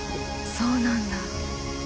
そうなんだ。